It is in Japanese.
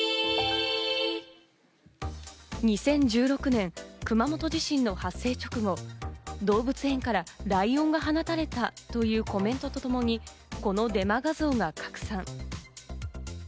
２０１６年、熊本地震の発生直後、動物園からライオンが放たれたというコメントと共にこのデマ画像が拡散。